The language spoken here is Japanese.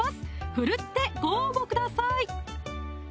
奮ってご応募ください